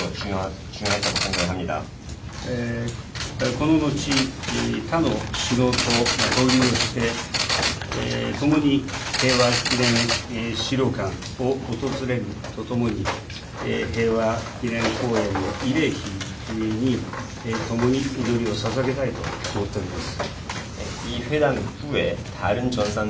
この後、他の首脳と合流して、共に平和記念資料館を訪れるとともに、平和記念公園の慰霊碑に共に祈りをささげたいと思っております。